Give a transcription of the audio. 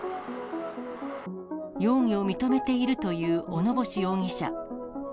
容疑を認めているという小野星容疑者。